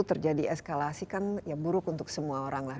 terjadi eskalasi kan ya buruk untuk semua orang lah